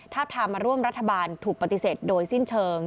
ทามมาร่วมรัฐบาลถูกปฏิเสธโดยสิ้นเชิง